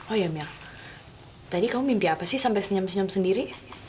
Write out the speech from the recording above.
oh ya mir tadi kamu mimpi apa sih sampai senyum senyum sendiri